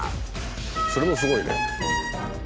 それもすごいね。